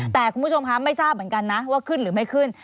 แต่คุณผู้ชมคะไม่ทราบเหมือนกันนะว่าขึ้นหรือไม่ขึ้น